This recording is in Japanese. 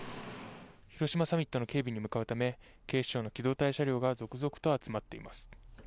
広島サミットの警備に向かうため警視庁の機動隊車両が続々と集まっています。